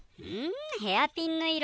ヘアピンの色？